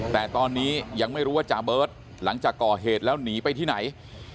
แต่ตอนนี้ยังไม่รู้ว่าจาเบิร์ตหลังจากก่อเหตุแล้วหนีไปที่ไหน